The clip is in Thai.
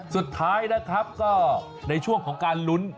สุดท้ายนะครับก็ในช่วงของการลุ้น